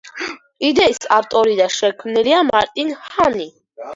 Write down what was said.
იდეის ავტორი და შემქმნელია მარტინ ჰანი.